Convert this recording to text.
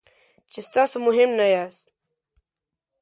چې تاسو مهم نه یاست.